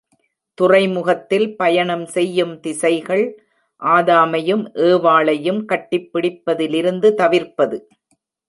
துறைமுகத்தில் பயணம் செய்யும் திசைகள் "ஆதாமையும் ஏவாளையும் கட்டிப்பிடிப்பதிலிருந்து தவிர்ப்பது".